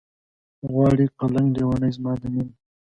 غواړي قلنګ لېونے زما د مينې